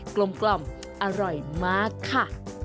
กลมเงินอาร่อยมากค่ะ